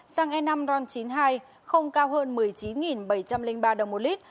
xăng e năm ron chín mươi hai không cao hơn một mươi chín bảy trăm linh ba đồng một lít